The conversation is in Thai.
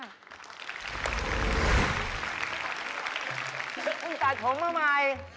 มึงตัดผมมาใหม่